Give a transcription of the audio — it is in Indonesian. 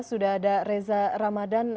sudah ada reza ramadan